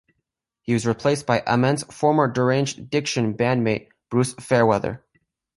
He was replaced by Ament's former Deranged Diction bandmate, Bruce Fairweather.